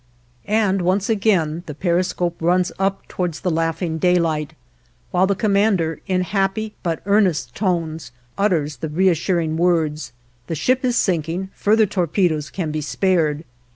And once again the periscope runs up towards the laughing daylight, while the commander in happy but earnest tones utters the reassuring words, "The ship is sinking, further torpedoes can be spared."